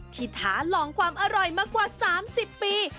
ท้าลองความอร่อยมากว่า๓๐ปี